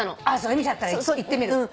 由美ちゃんだったら行ってみる。